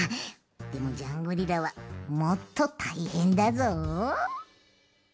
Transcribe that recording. でもジャングリラはもっとたいへんだぞ。